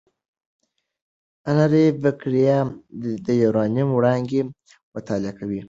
انري بکرېل د یورانیم وړانګې مطالعه کړې.